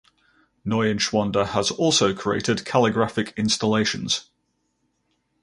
Neuenschwander has also created calligraphic installations.